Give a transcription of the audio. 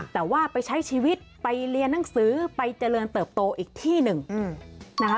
แต่ว่าไปใช้ชีวิตไปเรียนหนังสือไปเจริญเติบโตอีกที่หนึ่งนะคะ